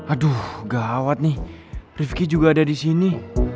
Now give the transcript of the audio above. aduh gawat nih rifki juga ada di sini